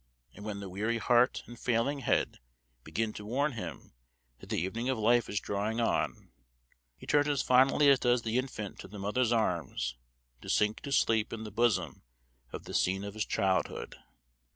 And when the weary heart and failing head begin to warn him that the evening of life is drawing on, he turns as fondly as does the infant to the mother's arms to sink to sleep in the bosom of the scene of his childhood.